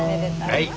はい。